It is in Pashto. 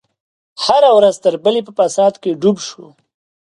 هره ورځ تر بلې په فساد کې ډوب شو.